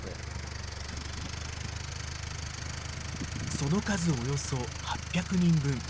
その数およそ８００人分。